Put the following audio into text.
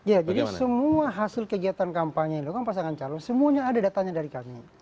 ya jadi semua hasil kegiatan kampanye dilakukan pasangan calon semuanya ada datanya dari kami